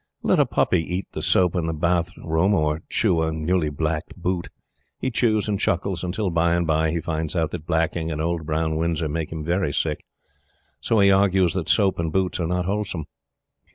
Let a puppy eat the soap in the bath room or chew a newly blacked boot. He chews and chuckles until, by and by, he finds out that blacking and Old Brown Windsor make him very sick; so he argues that soap and boots are not wholesome.